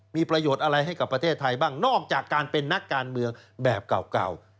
มีประโยชน์อะไรให้กับประเทศไทยบ้างนอกจากการเป็นนักการเมืองแบบเก่า